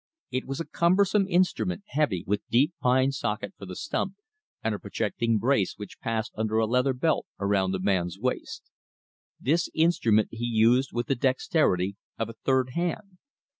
It was a cumbersome instrument, heavy, with deep pine socket for the stump, and a projecting brace which passed under a leather belt around the man's waist. This instrument he used with the dexterity of a third hand.